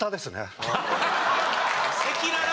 赤裸々！